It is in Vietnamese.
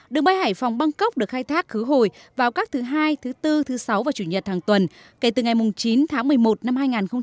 đường bay hải phòng bangkok được khai thác khứ hồi vào các thứ hai thứ bốn thứ sáu và chủ nhật hàng tuần kể từ ngày chín tháng một mươi một năm hai nghìn hai mươi